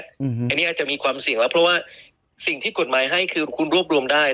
อันนี้อาจจะมีความเสี่ยงแล้วเพราะว่าสิ่งที่กฎหมายให้คือคุณรวบรวมได้